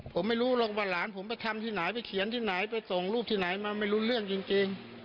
ผมไม่รู้หรอกว่าหลานผมไปทำที่ไหนไปเขียนที่ไหนไปส่งรูปที่ไหนมาไม่รู้เรื่องจริง